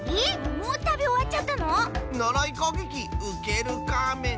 もうたべおわっちゃったの？のろいこうげきうけるカーメン。